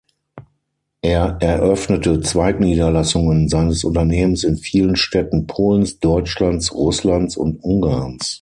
Er eröffnete Zweigniederlassungen seines Unternehmens in vielen Städten Polens, Deutschlands, Russlands und Ungarns.